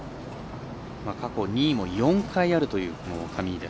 過去２位も４回あるという上井。